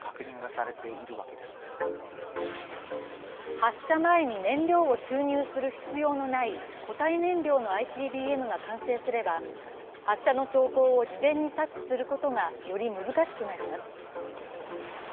発射前に燃料を注入する必要のない固体燃料のＩＣＢＭが完成すれば発射の兆候を事前に察知することがより難しくなります。